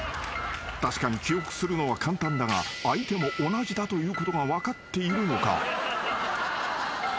［確かに記憶するのは簡単だが相手も同じだということが分かっているのか？］